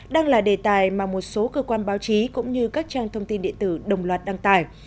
đang là đề tài mà một số cơ quan báo chí cũng như các trang thông tin điện tử đồng loạt đăng tải